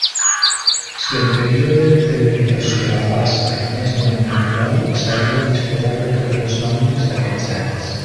Si el període de dedicació abasta més d'un any natural, s'haurà de disposar de totes les nòmines d'aquests anys.